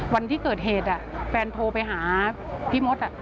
วันที่เกิดเหตุแฟนโทรไปหาพี่มด